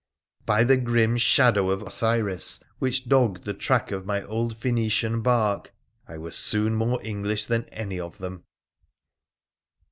by the grim shadow of Osiris which dogged the track of my old Phoenician bark ! I was soon more English than any of them.